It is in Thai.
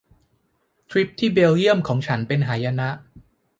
ทริปที่เบลเยี่ยมของฉันเป็นหายนะ